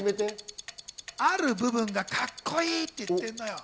ある部分がカッコいいって言ってるのよ。